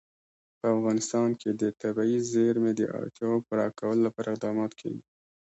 په افغانستان کې د طبیعي زیرمې د اړتیاوو پوره کولو لپاره اقدامات کېږي.